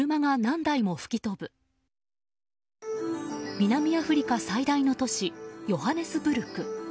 南アフリカ最大の都市ヨハネスブルク。